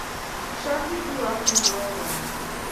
Sharkey grew up in rural Maine.